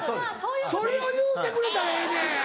それを言うてくれたらええねん！